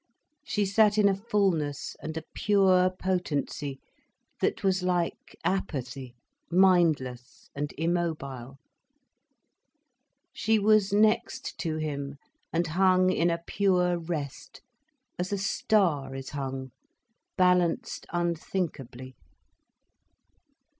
She sat in a fullness and a pure potency that was like apathy, mindless and immobile. She was next to him, and hung in a pure rest, as a star is hung, balanced unthinkably.